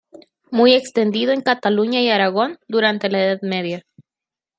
Muy extendido en Cataluña y Aragón durante la Edad Media.